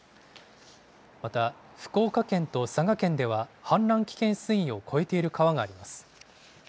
また、福岡県と佐賀県では、氾濫危険水位を超えている川があります。